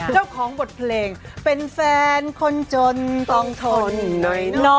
เจ้าของบทเพลงเป็นแฟนคนจนต้องทนหน่อย